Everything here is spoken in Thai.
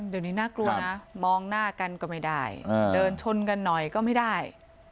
เดี๋ยวนี้น่ากลัวนะมองหน้ากันก็ไม่ได้เดินชนกันหน่อยก็ไม่ได้